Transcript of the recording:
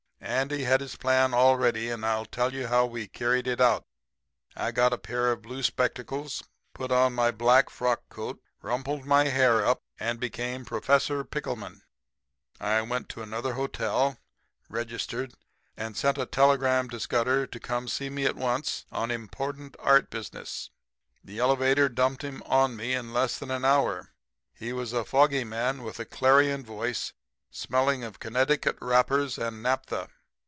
"Andy had his plan all ready, and I'll tell you how we carried it out. "I got a pair of blue spectacles, put on my black frock coat, rumpled my hair up and became Prof. Pickleman. I went to another hotel, registered, and sent a telegram to Scudder to come to see me at once on important art business. The elevator dumped him on me in less than an hour. He was a foggy man with a clarion voice, smelling of Connecticut wrappers and naphtha.